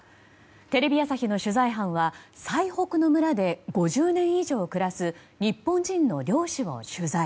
テレビ朝日の取材班は最北の村で５０年以上暮らす日本人の猟師を取材。